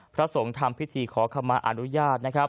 พระสงฆ์ทำพิธีขอคำอันยาส